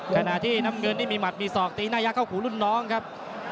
ขณะที่น้ำเงินนี่มีหัดมีศอกตีหน้ายักษ์เข้าหูรุ่นน้องครับ